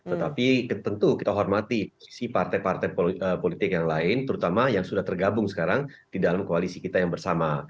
tetapi tentu kita hormati si partai partai politik yang lain terutama yang sudah tergabung sekarang di dalam koalisi kita yang bersama